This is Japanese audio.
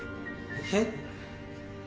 えっ？